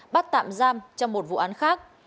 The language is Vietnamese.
bắt tạm giam trong một vụ án khác